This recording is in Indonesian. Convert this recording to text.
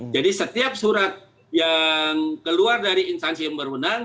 jadi setiap surat yang keluar dari instansi yang berwenang